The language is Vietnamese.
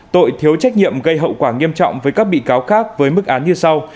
tội thiếu trách nhiệm gây hậu quả nghiêm trọng với các bị cáo khác với mức án như sau